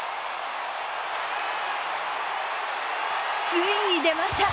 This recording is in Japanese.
ついに出ました